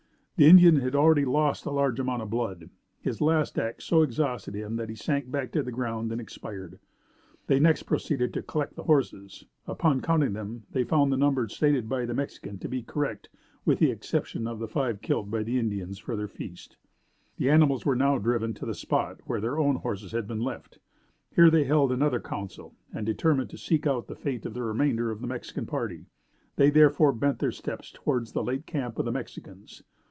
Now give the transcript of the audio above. The Indian had already lost a large amount of blood. His last act so exhausted him that he sank back upon the ground and expired. They next proceeded to collect the horses. Upon counting them they found the number stated by the Mexican to be correct with the exception of five killed by the Indians for their feast. The animals were now driven to the spot where their own horses had been left.. Here they held another council and determined to seek out the fate of the remainder of the Mexican party. They therefore bent their steps towards the late camp of the Mexicans.